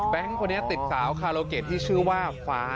แบ๊งค์ติดสาวคาราโอเกะที่ชื่อว่าฟ้า